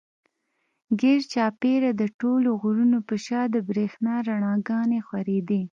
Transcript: ګېر چاپېره د ټولو غرونو پۀ شا د برېښنا رڼاګانې خورېدې